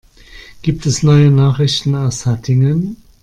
Gibt es neue Nachrichten aus Hattingen?